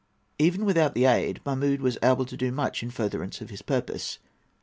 Even without that aid Mahmud was able to do much in furtherance of his purpose.